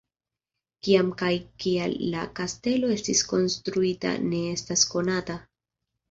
Kiam kaj kial la kastelo estis konstruita ne estas konata.